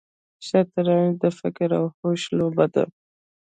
شطرنج د فکر او هوش لوبه ده.